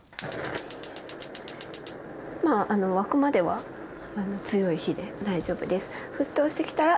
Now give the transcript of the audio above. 沸くまでは強い火で大丈夫です。